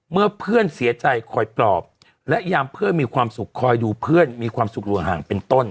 เมื่อเพื่อนเสียใจคอยปลอบและยามเพื่อนมีความสุขคอยดูเพื่อนมีความสุขอยู่ห่างเป็นต้น